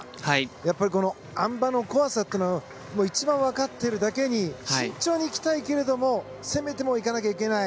やっぱり、このあん馬の怖さを一番分かっているだけに慎重に行きたいけれども攻めてもいかなかければいけない